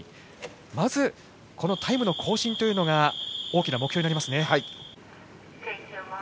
まず、このタイムの更新というのが大きな目標になりますね。